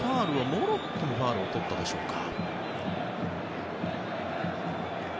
モロッコのファウルをとったでしょうか。